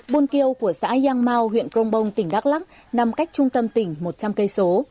buôn kiêu của xã giang mau huyện quang bông tỉnh đắk lắc nằm cách trung tâm tỉnh một trăm linh km